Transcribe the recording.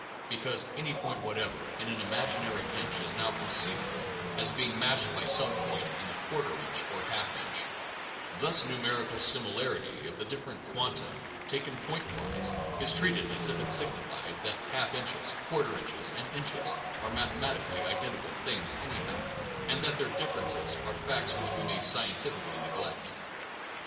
Because any point whatever in an im aginary inch is now conceivable as being matched by some point in a quarter inch or half inch, this numerical similarity of the different quanta, taken point wise, is treated as if it signified that half inches, quarter inches, and inches are mathematically identical things anyhow, and that their differences are facts which we may scientifically neglect.